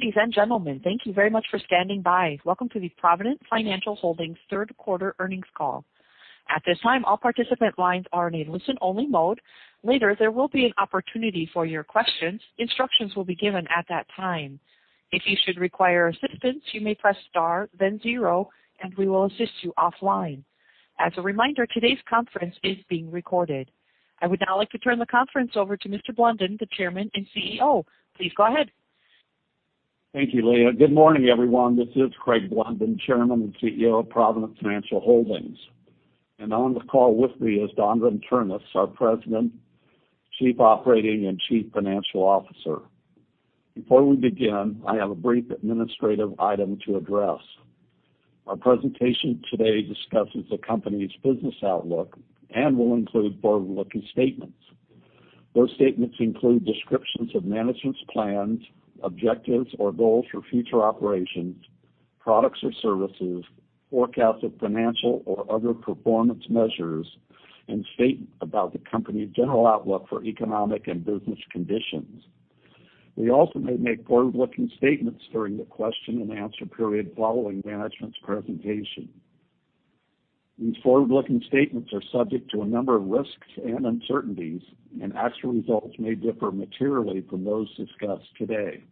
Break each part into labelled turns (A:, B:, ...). A: Ladies and gentlemen, thank you very much for standing by. Welcome to the Provident Financial Holdings third quarter earnings call. At this time, all participant lines are in a listen-only mode. Later, there will be an opportunity for your questions. Instructions will be given at that time. If you should require assistance, you may press star, then zero, and we will assist you offline. As a reminder, today's conference is being recorded. I would now like to turn the conference over to Mr. Blunden, the Chairman and CEO. Please go ahead.
B: Thank you, Leah. Good morning, everyone. This is Craig Blunden, Chairman and CEO of Provident Financial Holdings. On the call with me is Donavon Ternes, our President, Chief Operating and Chief Financial Officer. Before we begin, I have a brief administrative item to address. Our presentation today discusses the company's business outlook and will include forward-looking statements. Those statements include descriptions of management's plans, objectives, or goals for future operations, products or services, forecasts of financial or other performance measures, and statements about the company's general outlook for economic and business conditions. We also may make forward-looking statements during the question-and-answer period following management's presentation. These forward-looking statements are subject to a number of risks and uncertainties, and actual results may differ materially from those discussed today.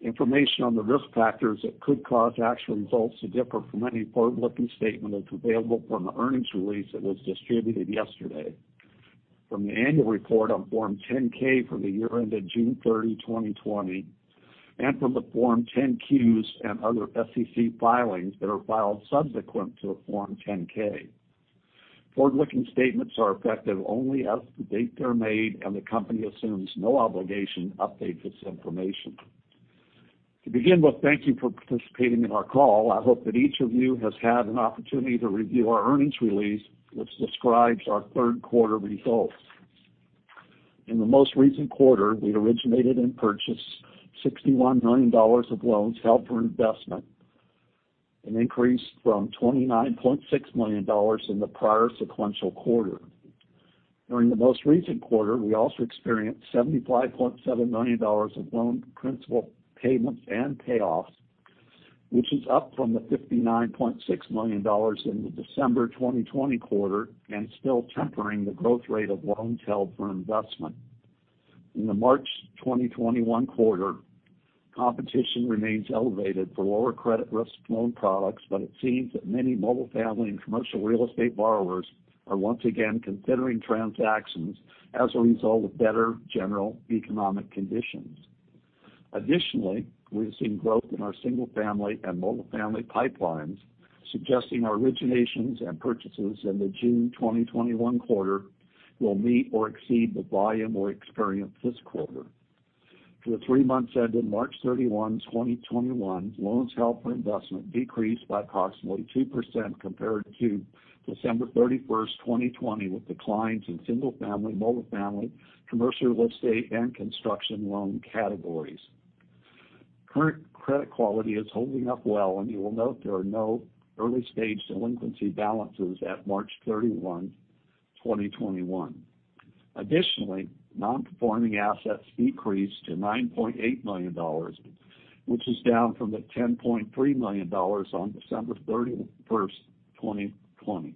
B: Information on the risk factors that could cause actual results to differ from any forward-looking statement is available from the earnings release that was distributed yesterday, from the annual report on Form 10-K for the year ended June 30, 2020, and from the Form 10-Qs and other SEC filings that are filed subsequent to the Form 10-K. Forward-looking statements are effective only as of the date they are made, and the company assumes no obligation to update this information. To begin with, thank you for participating in our call. I hope that each of you has had an opportunity to review our earnings release, which describes our third quarter results. In the most recent quarter, we originated and purchased $61 million of loans held for investment, an increase from $29.6 million in the prior sequential quarter. During the most recent quarter, we also experienced $75.7 million of loan principal payments and payoffs, which is up from the $59.6 million in the December 2020 quarter and still tempering the growth rate of loans held for investment. In the March 2021 quarter, competition remains elevated for lower credit risk loan products, but it seems that many multifamily and commercial real estate borrowers are once again considering transactions as a result of better general economic conditions. Additionally, we've seen growth in our single-family and multifamily pipelines, suggesting our originations and purchases in the June 2021 quarter will meet or exceed the volume or experience this quarter. For the three months ended March 31, 2021, loans held for investment decreased by approximately 2% compared to December 31st, 2020, with declines in single-family, multifamily, commercial real estate, and construction loan categories. Current credit quality is holding up well. You will note there are no early-stage delinquency balances at March 31, 2021. Additionally, non-performing assets decreased to $9.8 million, which is down from the $10.3 million on December 31st, 2020.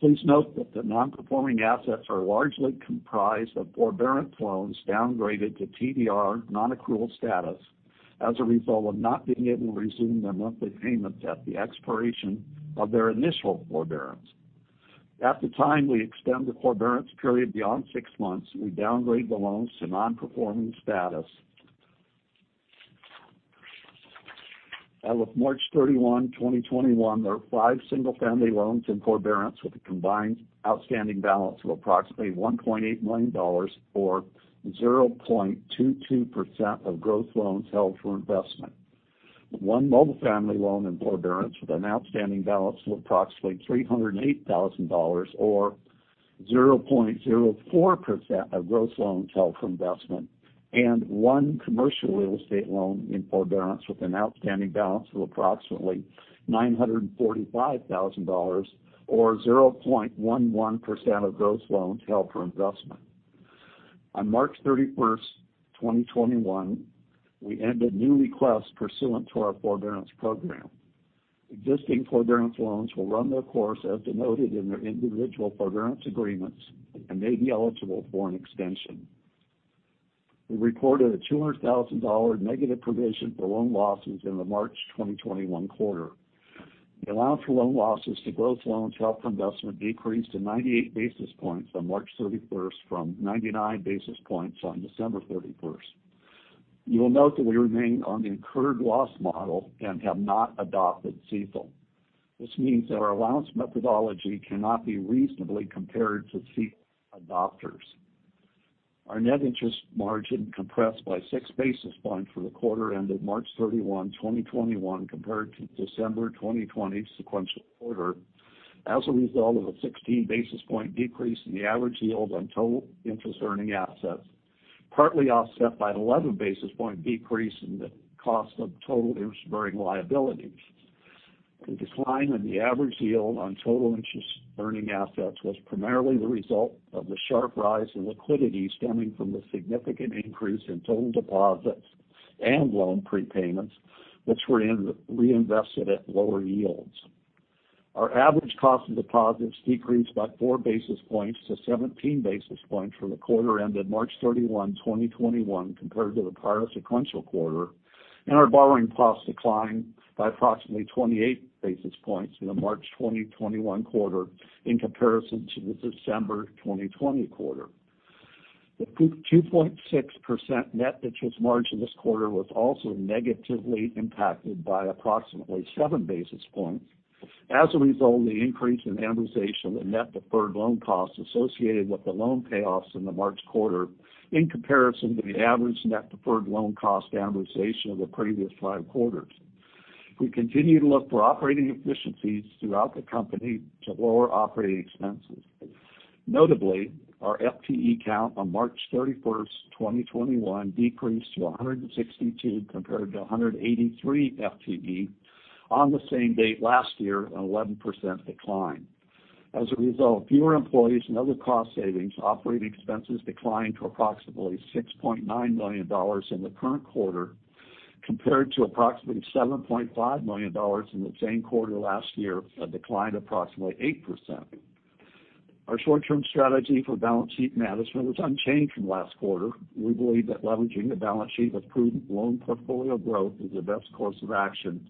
B: Please note that the non-performing assets are largely comprised of forbearance loans downgraded to TDR non-accrual status as a result of not being able to resume their monthly payments at the expiration of their initial forbearance. At the time we extend the forbearance period beyond six months, we downgrade the loans to non-performing status. As of March 31, 2021, there are five single-family loans in forbearance with a combined outstanding balance of approximately $1.8 million, or 0.22% of gross loans held for investment. One multifamily loan in forbearance with an outstanding balance of approximately $308,000, or 0.04% of gross loans held for investment, and one commercial real estate loan in forbearance with an outstanding balance of approximately $945,000, or 0.11% of gross loans held for investment. On March 31st, 2021, we ended new requests pursuant to our forbearance program. Existing forbearance loans will run their course as denoted in their individual forbearance agreements and may be eligible for an extension. We reported a $200,000 negative provision for loan losses in the March 2021 quarter. The allowance for loan losses to gross loans held for investment decreased to 98 basis points on March 31st from 99 basis points on December 31st. You will note that we remain on the incurred loss model and have not adopted CECL. This means that our allowance methodology cannot be reasonably compared to CECL adopters. Our net interest margin compressed by 6 basis points for the quarter ended March 31, 2021, compared to December 2020 sequential quarter, as a result of a 16-basis-point decrease in the average yield on total interest-earning assets, partly offset by an 11-basis-point decrease in the cost of total interest-bearing liabilities. The decline in the average yield on total interest-earning assets was primarily the result of the sharp rise in liquidity stemming from the significant increase in total deposits and loan prepayments, which were reinvested at lower yields. Our average cost of deposits decreased by 4 basis points to 17 basis points from the quarter ended March 31, 2021 compared to the prior sequential quarter, and our borrowing costs declined by approximately 28 basis points in the March 2021 quarter in comparison to the December 2020 quarter. The 2.6% net interest margin this quarter was also negatively impacted by approximately 7 basis points as a result of the increase in amortization of the net deferred loan costs associated with the loan payoffs in the March quarter in comparison to the average net deferred loan cost amortization of the previous five quarters. We continue to look for operating efficiencies throughout the company to lower operating expenses. Notably, our FTE count on March 31st, 2021 decreased to 162 compared to 183 FTE on the same date last year, an 11% decline. As a result, fewer employees and other cost savings, operating expenses declined to approximately $6.9 million in the current quarter, compared to approximately $7.5 million in the same quarter last year, a decline of approximately 8%. Our short-term strategy for balance sheet management was unchanged from last quarter. We believe that leveraging the balance sheet with prudent loan portfolio growth is the best course of action.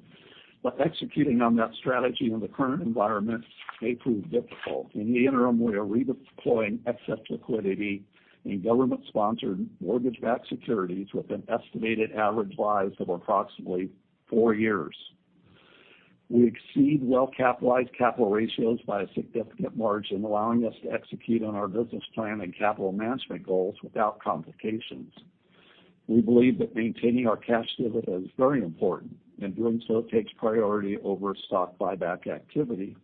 B: Executing on that strategy in the current environment may prove difficult. In the interim, we are redeploying excess liquidity in government-sponsored mortgage-backed securities with an estimated average life of approximately four years. We exceed well-capitalized capital ratios by a significant margin, allowing us to execute on our business plan and capital management goals without complications. We believe that maintaining our cash dividend is very important, and doing so takes priority over stock buyback activity.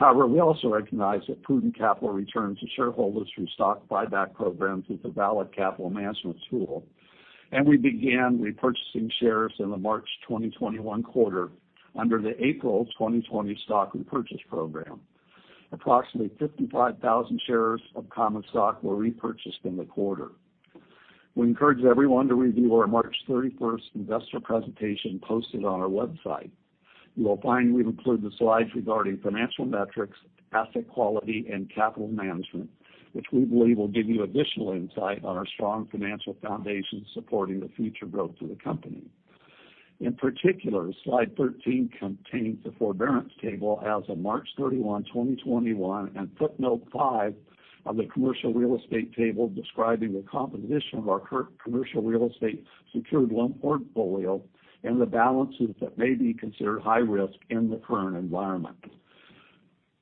B: We also recognize that prudent capital return to shareholders through stock buyback programs is a valid capital management tool, and we began repurchasing shares in the March 2021 quarter under the April 2020 stock repurchase program. Approximately 55,000 shares of common stock were repurchased in the quarter. We encourage everyone to review our March 31st investor presentation posted on our website. You will find we've included the slides regarding financial metrics, asset quality, and capital management, which we believe will give you additional insight on our strong financial foundation supporting the future growth of the company. In particular, slide 13 contains the forbearance table as of March 31, 2021, and footnote five of the commercial real estate table describing the composition of our current commercial real estate secured loan portfolio and the balances that may be considered high risk in the current environment.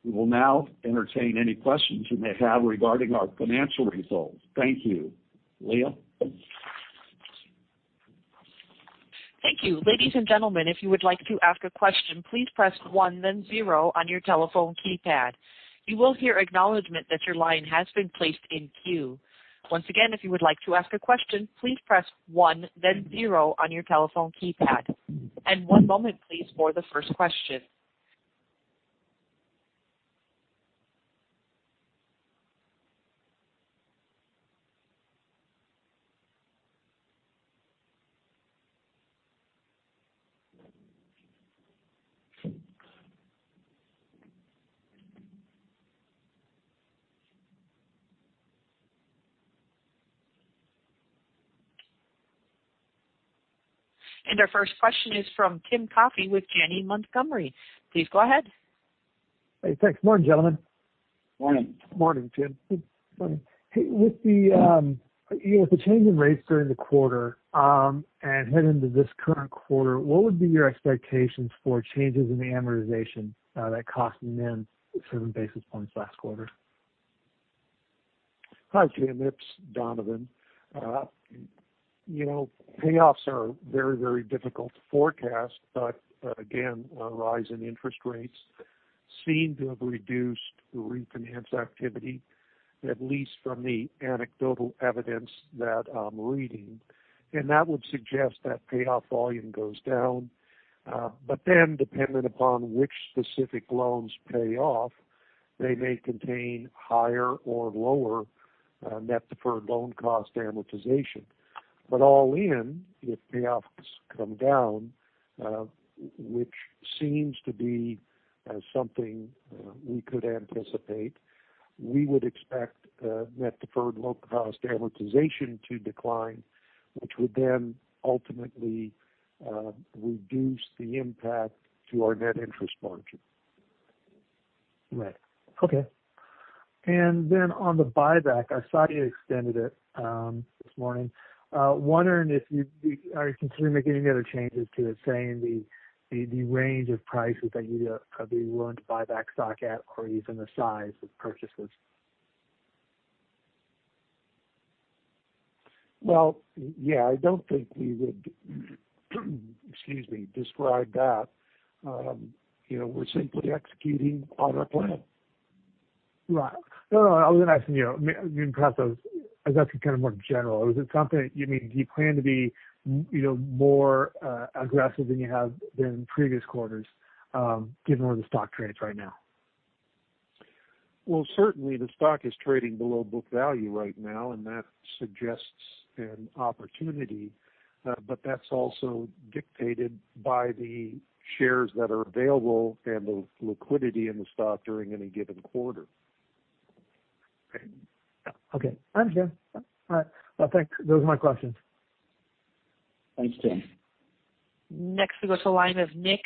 B: We will now entertain any questions you may have regarding our financial results. Thank you. Leah?
A: Thank you. Ladies and gentlemen, if you would like to ask a question, please press one then zero on your telephone keypad. You will hear acknowledgment that your line has been placed in queue. Once again, if you would like to ask a question, please press one then zero on your telephone keypad. One moment, please, for the first question. Our first question is from Tim Coffey with Janney Montgomery. Please go ahead.
C: Hey, thanks. Morning, gentlemen.
B: Morning.
D: Morning, Tim.
C: Hey, with the change in rates during the quarter, and heading into this current quarter, what would be your expectations for changes in the amortization that cost you then 7 basis points last quarter?
D: Hi, Tim. It's Donavon. Payoffs are very difficult to forecast, but again, a rise in interest rates seem to have reduced the refinance activity, at least from the anecdotal evidence that I'm reading. That would suggest that payoff volume goes down. Dependent upon which specific loans pay off, they may contain higher or lower net deferred loan cost amortization. All in, if payoffs come down, which seems to be something we could anticipate, we would expect net deferred loan cost amortization to decline, which would then ultimately reduce the impact to our net interest margin.
C: Right. Okay. On the buyback, I saw you extended it this morning. Wondering if you are considering making any other changes to it, saying the range of prices that you'd be willing to buy back stock at or even the size of purchases.
D: Well, yeah, I don't think we would, excuse me, describe that. We're simply executing on our plan.
C: Right. No, I was going to ask you, I mean, perhaps I was asking kind of more general. Is it something, do you plan to be more aggressive than you have been previous quarters, given where the stock trades right now?
D: Well, certainly the stock is trading below book value right now. That suggests an opportunity. That's also dictated by the shares that are available and the liquidity in the stock during any given quarter.
C: Okay. I understand. All right. Well, thanks. Those are my questions.
B: Thanks, Tim.
A: Next we go to the line of Nick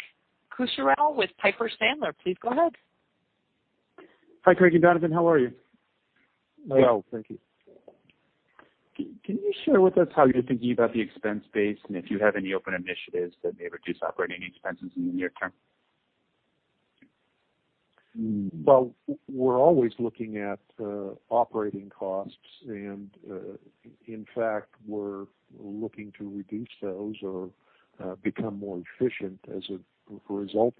A: Cucharale with Piper Sandler. Please go ahead.
E: Hi, Craig and Donavon. How are you?
D: Well, thank you.
E: Can you share with us how you're thinking about the expense base and if you have any open initiatives that may reduce operating expenses in the near term?
D: Well, we're always looking at operating costs and, in fact, we're looking to reduce those or become more efficient as a result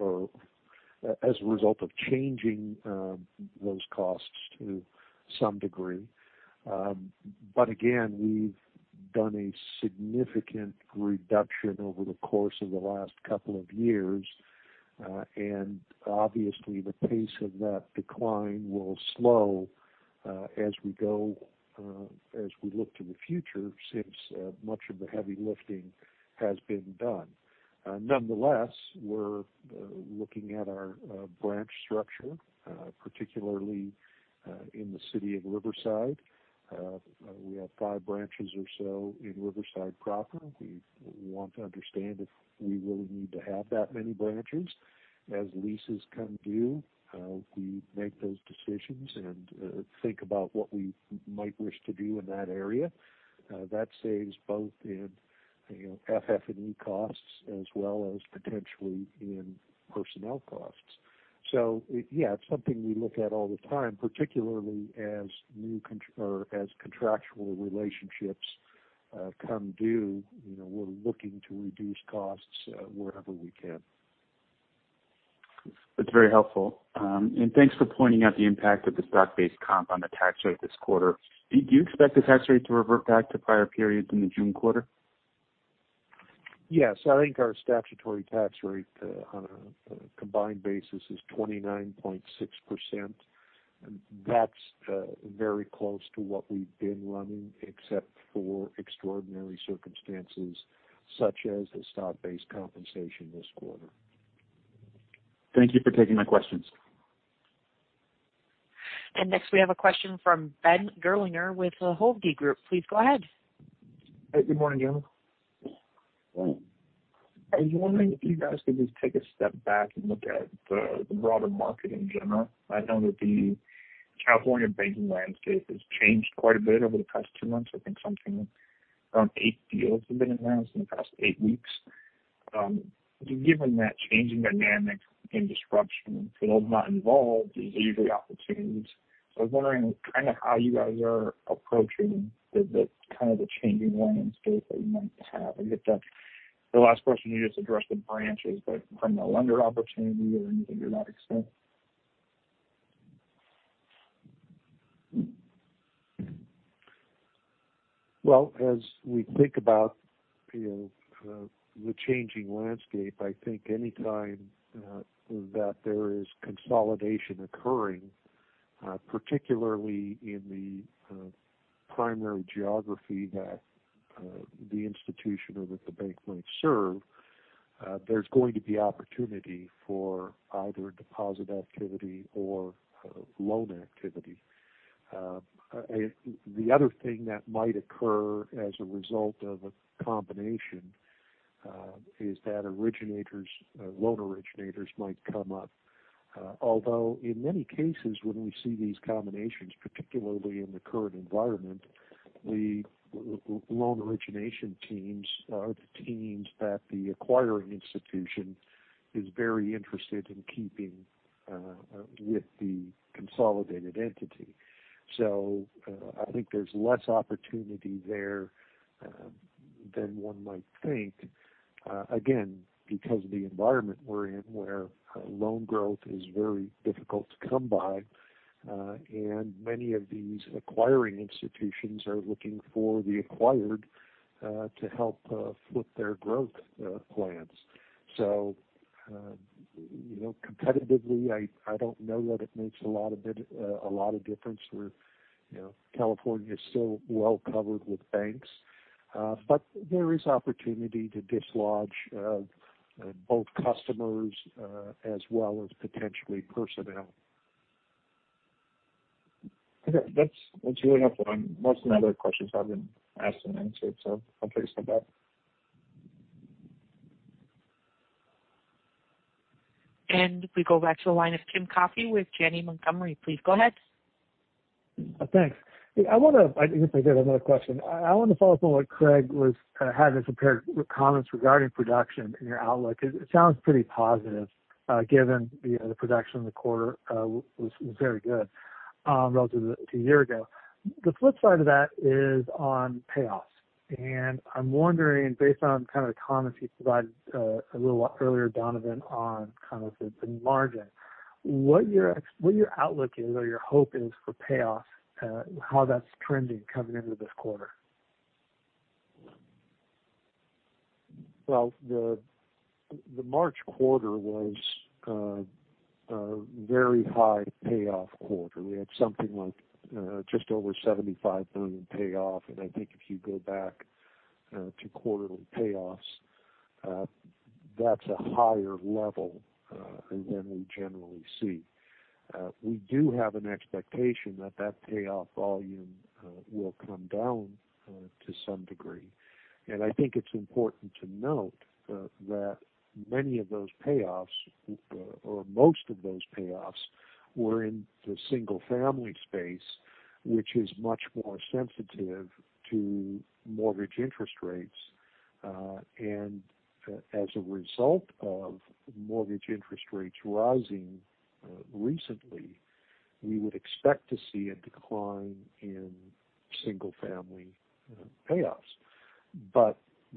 D: of changing those costs to some degree. Again, we've done a significant reduction over the course of the last couple of years. Obviously, the pace of that decline will slow as we look to the future since much of the heavy lifting has been done. Nonetheless, we're looking at our branch structure, particularly in the city of Riverside. We have five branches or so in Riverside proper. We want to understand if we really need to have that many branches. As leases come due, we make those decisions and think about what we might wish to do in that area. That saves both in FF&E costs as well as potentially in personnel costs. Yeah, it's something we look at all the time, particularly as contractual relationships come due. We're looking to reduce costs wherever we can.
E: That's very helpful. Thanks for pointing out the impact of the stock-based comp on the tax rate this quarter. Do you expect the tax rate to revert back to prior periods in the June quarter?
D: Yes, I think our statutory tax rate on a combined basis is 29.6%. That's very close to what we've been running except for extraordinary circumstances such as the stock-based compensation this quarter.
E: Thank you for taking my questions.
A: Next we have a question from Ben Gerlinger with the Hovde Group. Please go ahead.
F: Hey, good morning, gentlemen. I was wondering if you guys could just take a step back and look at the broader market in general. I know that the California banking landscape has changed quite a bit over the past two months. I think something around eight deals have been announced in the past eight weeks. Given that changing dynamic and disruption for those not involved is usually opportunities. I was wondering kind of how you guys are approaching the kind of the changing landscape that you might have. I guess that's the last question you just addressed the branches, but from the lender opportunity or anything you're not exposed.
D: Well, as we think about the changing landscape, I think any time that there is consolidation occurring, particularly in the primary geography that the institution or that the bank might serve, there's going to be opportunity for either deposit activity or loan activity. The other thing that might occur as a result of a combination is that loan originators might come up. Although in many cases, when we see these combinations, particularly in the current environment, the loan origination teams are the teams that the acquiring institution is very interested in keeping with the consolidated entity. I think there's less opportunity there than one might think, again, because of the environment we're in, where loan growth is very difficult to come by. Many of these acquiring institutions are looking for the acquired to help flip their growth plans. Competitively, I don't know that it makes a lot of difference. California is still well covered with banks. There is opportunity to dislodge both customers as well as potentially personnel.
F: Okay. That's really helpful. Most of my other questions have been asked and answered, I'll tell you so about.
A: We go back to the line of Tim Coffey with Janney Montgomery. Please go ahead.
C: Thanks. I guess I did have another question. I want to follow up on what Craig had as a pair of comments regarding production and your outlook. It sounds pretty positive, given the production in the quarter was very good relative to a year ago. The flip side of that is on payoffs. I'm wondering, based on the comments you provided a little earlier, Donavon, on kind of the margin. What your outlook is or your hope is for payoffs, how that's trending coming into this quarter.
D: Well, the March quarter was a very high payoff quarter. We had something like just over $75 million payoff. I think if you go back to quarterly payoffs, that's a higher level than we generally see. We do have an expectation that payoff volume will come down to some degree. I think it's important to note that many of those payoffs, or most of those payoffs, were in the single-family space, which is much more sensitive to mortgage interest rates. As a result of mortgage interest rates rising recently, we would expect to see a decline in single-family payoffs.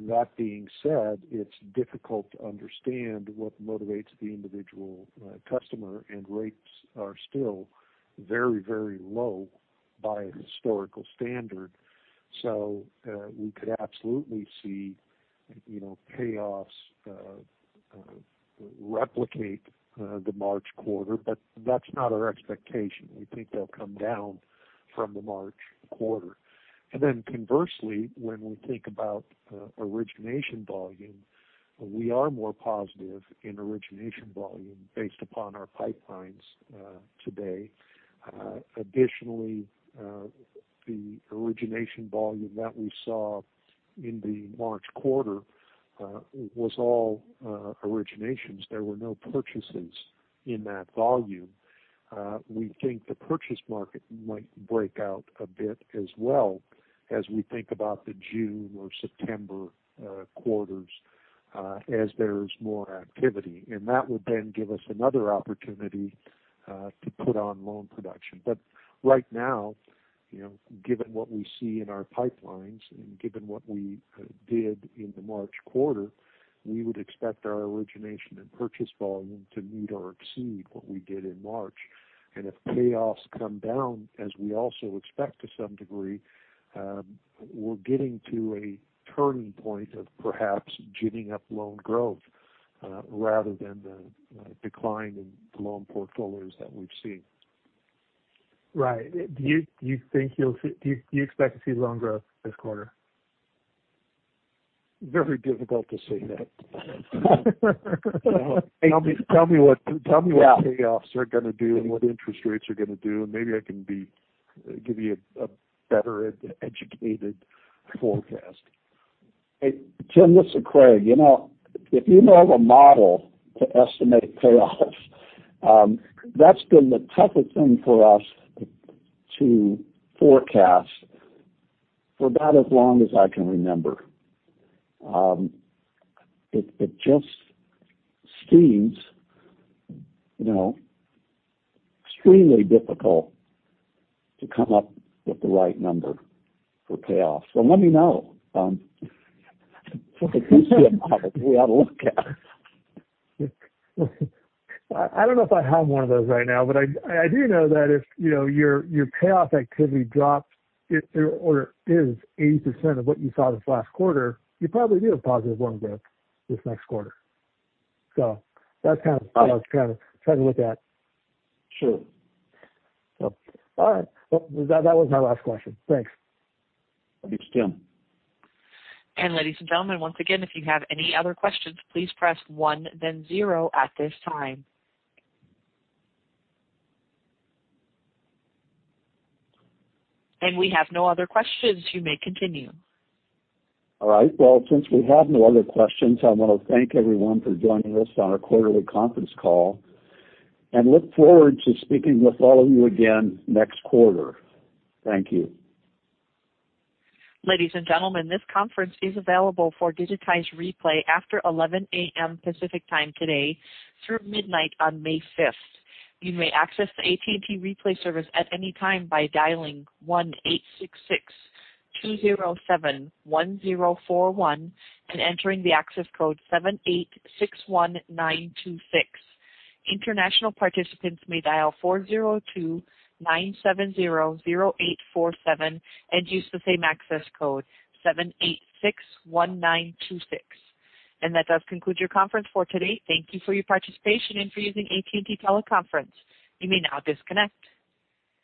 D: That being said, it's difficult to understand what motivates the individual customer, and rates are still very low by a historical standard. We could absolutely see payoffs replicate the March quarter. That's not our expectation. We think they'll come down from the March quarter. Conversely, when we think about origination volume, we are more positive in origination volume based upon our pipelines today. Additionally, the origination volume that we saw in the March quarter was all originations. There were no purchases in that volume. We think the purchase market might break out a bit as well as we think about the June or September quarters as there's more activity. That would then give us another opportunity to put on loan production. Right now, given what we see in our pipelines and given what we did in the March quarter, we would expect our origination and purchase volume to meet or exceed what we did in March. If payoffs come down, as we also expect to some degree, we're getting to a turning point of perhaps ginning up loan growth rather than the decline in loan portfolios that we've seen.
C: Right. Do you expect to see loan growth this quarter?
D: Very difficult to say that. Tell me what payoffs are going to do and what interest rates are going to do, and maybe I can give you a better educated forecast.
B: Hey, Tim, this is Craig. If you know of a model to estimate payoffs that's been the toughest thing for us to forecast for about as long as I can remember. It just seems extremely difficult to come up with the right number for payoffs. Let me know. If you see a model, we ought to look at.
C: I don't know if I have one of those right now, but I do know that if your payoff activity drops or is 80% of what you saw this last quarter, you probably do have positive loan growth this next quarter. That's kind of how I was trying to look at.
B: Sure.
C: All right. Well, that was my last question. Thanks.
B: Thanks, Tim.
A: We have no other questions. You may continue.
B: All right. Well, since we have no other questions, I want to thank everyone for joining us on our quarterly conference call and look forward to speaking with all of you again next quarter. Thank you.
A: Ladies and gentlemen, this conference is available for digitized replay after 11:00 A.M. Pacific Time today through midnight on May 5th. You may access the AT&T Replay service at any time by dialing 1-866-207-1041 and entering the access code 7861926. International participants may dial 402-970-0847 and use the same access code, 7861926. And that does conclude your conference for today. Thank you for your participation and for using AT&T Teleconference. You may now disconnect.